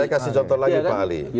saya kasih contoh lagi pak ali